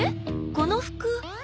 この服。